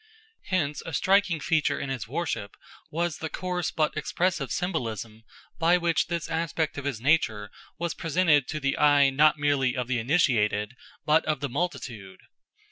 Hence a striking feature in his worship was the coarse but expressive symbolism by which this aspect of his nature was presented to the eye not merely of the initiated but of the multitude.